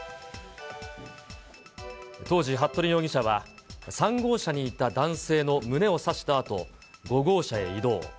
当時、服部容疑者は、３号車にいた男性の胸を刺したあと、５号車へ移動。